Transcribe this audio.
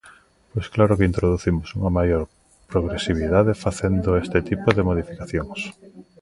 Pois claro que introducimos unha maior progresividade facendo este tipo de modificacións.